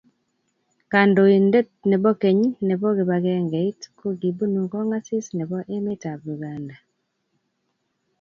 Kandoindet nebo keny nebo kibagengeit kokibunu kong'asis nebo emetab Uganda.